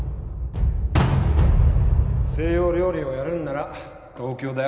西洋料理をやるんなら東京だよ